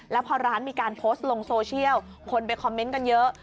แล้วพอร้านมีการโพสต์ลงโซเชียลคนไปคอมเมนต์กันเยอะ